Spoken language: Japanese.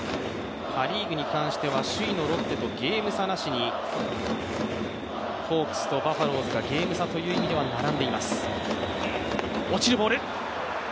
パ・リーグに関しては首位のロッテとゲーム差なしにホークスとバファローズがゲーム差という意味では並んでいます。